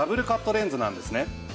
レンズなんですね。